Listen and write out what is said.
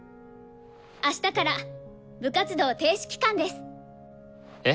あしたから部活動停止期間です。え？